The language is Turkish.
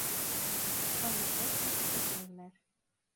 Bana da Çakıcı derler.